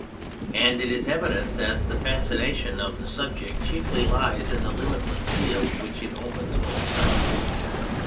And it is evident that the fascination of the subject chiefly lies in the limitless field which it opens for discussion.